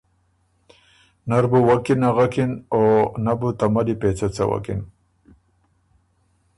نۀ ر بُو وک کی نغکِن او نۀ بُو ته ملّی پېڅه څوکِن،